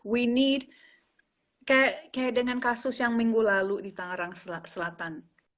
we need kayak dengan kasus yang minggu lalu di tangerang selatan